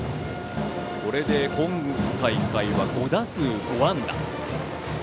これで今大会５打数５安打。